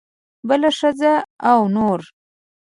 بله ښځه او نور.